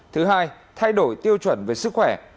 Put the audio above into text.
thứ hai thay đổi tiêu chuẩn về sức khỏe